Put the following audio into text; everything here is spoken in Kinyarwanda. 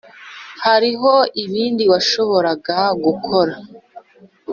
hariho ibindi washoboraga gukora?